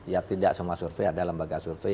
ya tidak semua survei ada lembaga survei